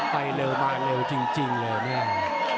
ไปเร็วมาเร็วจริงเลยเนี่ย